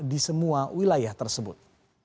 di semua wilayah tersebut